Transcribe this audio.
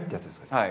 はい。